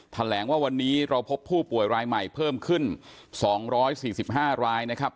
แถลงว่าวันนี้เราพบผู้ป่วยรายใหม่เพิ่มขึ้นสองร้อยสี่สิบห้ารายนะครับ